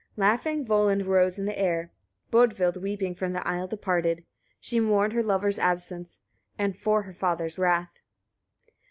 Laughing Volund rose in air: Bodvild weeping from the isle departed. She mourned her lover's absence, and for her father's wrath.